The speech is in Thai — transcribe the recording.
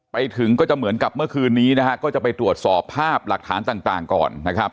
ไปถึงก็จะเหมือนกับเมื่อคืนนี้นะฮะก็จะไปตรวจสอบภาพหลักฐานต่างก่อนนะครับ